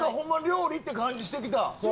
料理って感じしてきた！